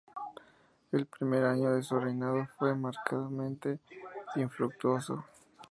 El primer año de su reinado fue marcadamente infructuoso.